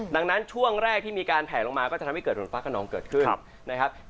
ดังนั้นช่วงแรกที่มีการแผลลงมาก็จะทำให้เกิดฝนฟ้าขนองเกิดขึ้นนะครับ